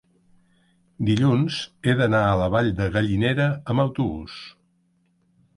Dilluns he d'anar a la Vall de Gallinera amb autobús.